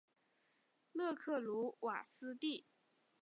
勒克鲁瓦斯蒂。